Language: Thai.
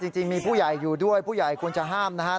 จริงมีผู้ใหญ่อยู่ด้วยผู้ใหญ่ควรจะห้ามนะครับ